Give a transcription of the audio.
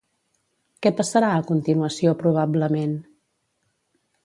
Què passarà a continuació probablement?